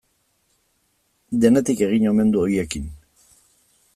Denetik egin omen du horiekin.